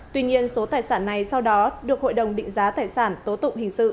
tuy nhiên số tài sản này sau đó được hội đồng định giá tài sản tố tụng hình sự